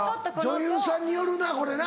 女優さんによるなこれな。